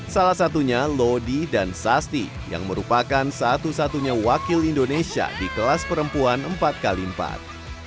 salah satunya lodi dan sasti yang merupakan satu satunya wakil indonesia di kelas perempuan empat x empat